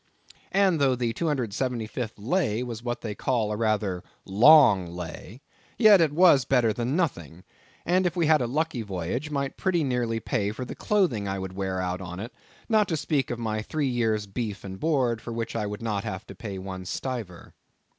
And though the 275th lay was what they call a rather long lay, yet it was better than nothing; and if we had a lucky voyage, might pretty nearly pay for the clothing I would wear out on it, not to speak of my three years' beef and board, for which I would not have to pay one stiver.